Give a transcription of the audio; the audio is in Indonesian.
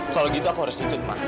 kalau gitu aku harus ikut mah